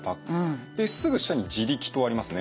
ですぐ下に「自力」とありますね。